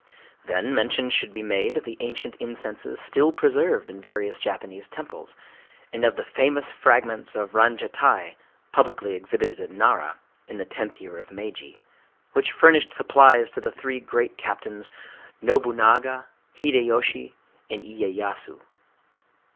Then mention should be made of the ancient incenses still preserved in various Japanese temples, and of the famous fragments of ranjatai (publicly exhibited at Nara in the tenth year of Meiji) which furnished supplies to the three great captains, Nobunaga, Hideyoshi, and Iyeyasu.